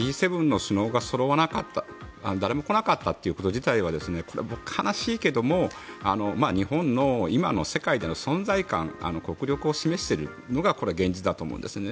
Ｇ７の首脳が誰も来なかったということ自体はこれは悲しいけども日本の今の世界での存在感国力を示しているのが現実だと思うんですね。